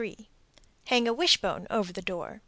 Hang a wishbone over the door.